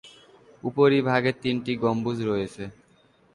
উপরিভাগে তিনটি গম্বুজ রয়েছে।